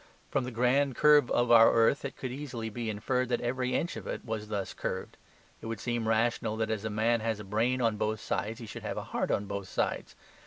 From the grand curve of our earth it could easily be inferred that every inch of it was thus curved. It would seem rational that as a man has a brain on both sides, he should have a heart on both sides.